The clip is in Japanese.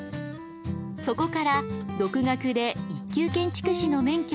そこから独学で一級建築士の免許を取得しました。